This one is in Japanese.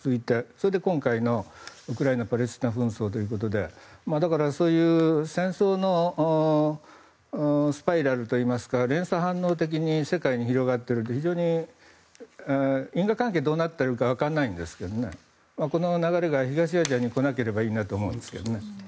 それで今回の戦争ということでそういう戦争のスパイラルといいますか連鎖反応的に世界に広がっていて非常に因果関係がどうなっているか分からないんですけどこの流れが東アジアに来なければいいなと思うんですけど。